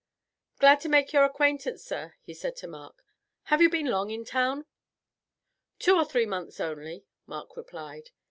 "Glad to make your acquaintance, sir," he said to Mark. "Have you been long in town?" "Two or three months only," Mark replied.